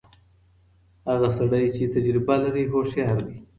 هغه سړی چي تجربه لري هوښیار دی.